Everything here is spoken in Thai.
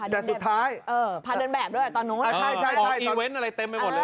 แต่สุดท้ายพาเดินแบบด้วยตอนนู้นอ่าใช่ใช่อเวนต์อะไรเต็มไปหมดเลย